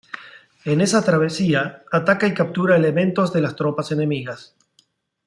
En esa travesía, ataca y captura elementos de las tropas enemigas.